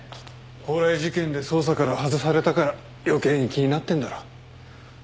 宝来事件で捜査から外されたから余計に気になってんだろ。